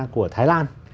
của thái lan